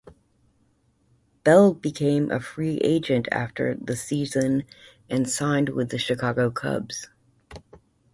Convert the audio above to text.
Bell became a free agent after the season and signed with the Chicago Cubs.